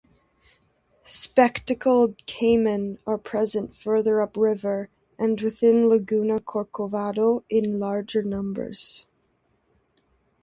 Spectacled caiman are present further up river and within Laguna Corcovado in larger numbers.